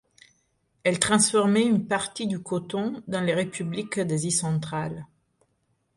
Elle transformait une partie du coton dans les républiques d'Asie centrale.